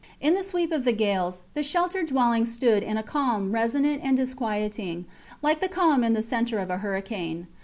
In the sweep of gales the sheltered dwelling stood in a calm resonant and disquieting, like the calm in the centre of a hurricane.